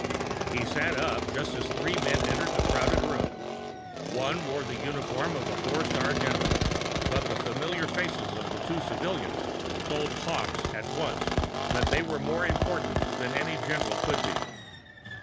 He sat up, just as three men entered the crowded room. One wore the uniform of a four star general, but the familiar faces of the two civilians told Hawkes at once that they were more important than any general could be.